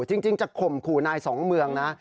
จริงจะข่มขู่นายสองเมืองนะ